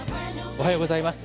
おはようございます。